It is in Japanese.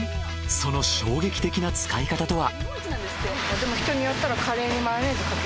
その衝撃的な使い方とは？